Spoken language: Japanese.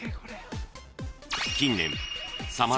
［近年］